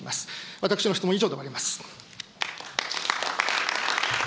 私の質問は以上で終わります。